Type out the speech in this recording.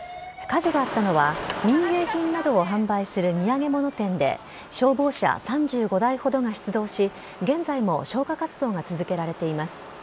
火事があったのは民芸品などを販売する土産物店で消防車３５台ほどが出動し現在も消火活動が続けられています。